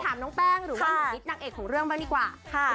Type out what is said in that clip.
๔ถามน้องแป้งหรือหนูดิฉนักเอกของเรื่องไว้ดีกว่า